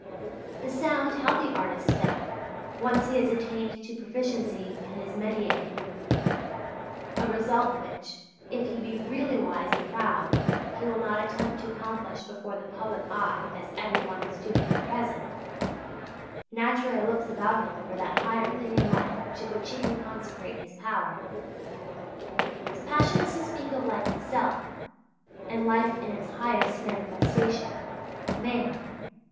The sound, healthy artist, then, once he has attained to proficiency in his métier a result which, if he be really wise and proud, he will not attempt to accomplish before the public eye as every one is doing at present naturally looks about him for that higher thing in life to which he can consecrate his power. His passion is to speak of life itself, and life in its highest manifestation Man.